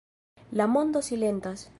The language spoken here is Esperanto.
La mondo silentas.